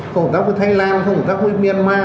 không hợp tác với thái lan không hợp tác với myanmar